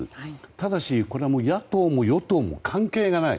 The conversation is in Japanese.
ただし、これは野党も与党も関係ない。